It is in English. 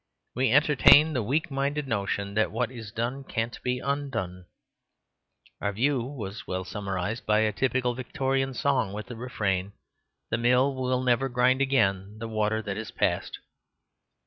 We entertain the weak minded notion that what is done can't be undone. Our view was well summarised in a typical Victorian song with the refrain: "The mill will never grind again the water that is past."